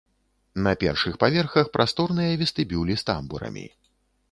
На першых паверхах прасторныя вестыбюлі з тамбурамі.